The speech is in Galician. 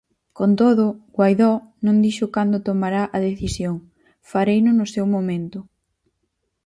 Con todo, Guaidó non dixo cando tomará a decisión: "Fareino no seu momento".